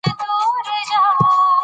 نفت د افغانستان د اقلیم ځانګړتیا ده.